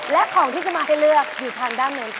และของที่จะมาให้เลือกอยู่ทางด้านโน้นค่ะ